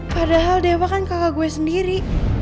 padahal dewa kan kakak gue sendiri